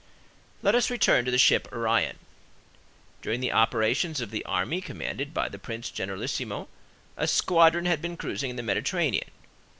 Let us return to the ship Orion. During the operations of the army commanded by the prince generalissimo, a squadron had been cruising in the Mediterranean.